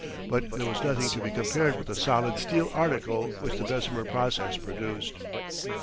But there was nothing to be compared with the solid steel article which the Bessemer process produced.